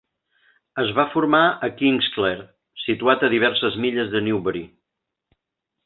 Es va formar a Kingsclere, situat a diverses milles de Newbury.